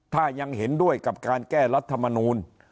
ถ้ายังเห็นด้วยกับการแก้รัฐมนูล